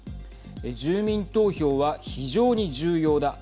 住民投票は非常に重要だ。